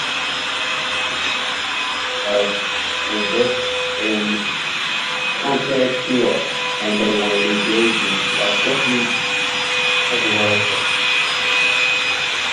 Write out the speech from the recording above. Many years ago they lived in Chotanagpur and they were engaged in shifting cultivation.